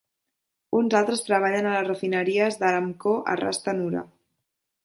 Uns altres treballen a les refineries d'Aramco a Ras Tanura.